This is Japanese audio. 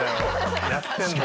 やってんの。